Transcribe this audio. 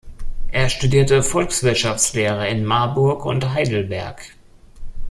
Er studierte Volkswirtschaftslehre in Marburg und Heidelberg.